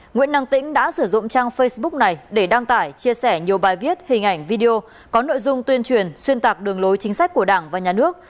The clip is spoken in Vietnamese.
nguyễn năng tĩnh đã sử dụng trang facebook này để đăng tải chia sẻ nhiều bài viết hình ảnh video có nội dung tuyên truyền xuyên tạc đường lối chính sách của đảng và nhà nước